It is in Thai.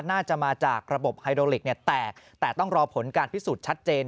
น่าจะมาจากระบบไฮโดลิกเนี่ยแตกแต่ต้องรอผลการพิสูจน์ชัดเจน